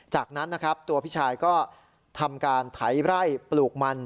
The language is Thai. จากนั้นนะครับตัวพี่ชายก็ทำการไถไร่ปลูกมัน